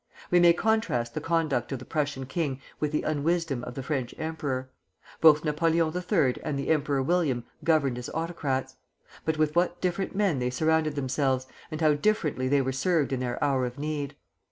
We may contrast the conduct of the Prussian king with the unwisdom of the French emperor. Both Napoleon III. and the Emperor William governed as autocrats; but with what different men they surrounded themselves, and how differently they were served in their hour of need!